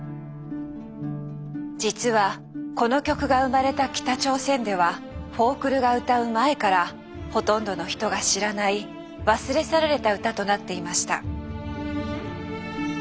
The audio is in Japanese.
実はこの曲が生まれた北朝鮮ではフォークルが歌う前からほとんどの人が知らない忘れ去られた歌となっていました。